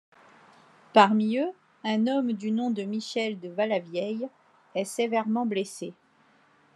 Parmi eux, un homme du nom de Michel de Vallavieille est sévèrement blessé.